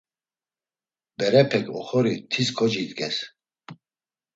Berepek oxori tis kocidges.